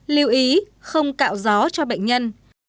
lưu ý không cạo gió cho bệnh nhân